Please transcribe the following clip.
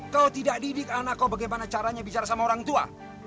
kau tidak didik anak kau bagaimana caranya bicara sama orang tua